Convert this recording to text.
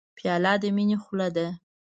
پیاله د مینې خوله ده.